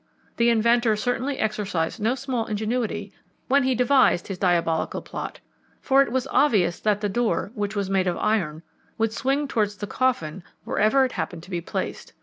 The inventor certainly exercised no small ingenuity when he devised his diabolical plot, for it was obvious that the door, which was made of iron, would swing towards the coffin wherever it happened to be placed.